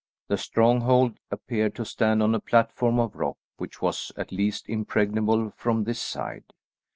The stronghold appeared to stand on a platform of rock which was at least impregnable from this side.